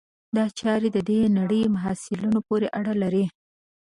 دا چارې د دې نړۍ مصالحو پورې اړه لري.